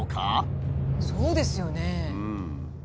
そうですよね。